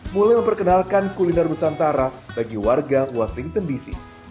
mulai memperkenalkan kuliner nusantara bagi warga washington dc